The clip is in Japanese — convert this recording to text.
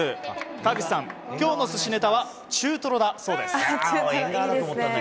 川口さん、今日の寿司ネタは中トロだそうです。